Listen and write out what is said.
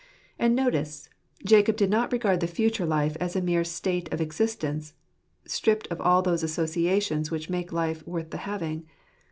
And notice, Jacob did not regard the future life as a mere state of existence stript of all those associations which make life worth the having.